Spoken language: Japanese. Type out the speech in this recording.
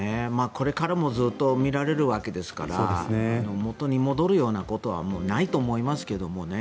これからもずっと見られるわけですから元に戻るようなことはもうないと思いますけどね。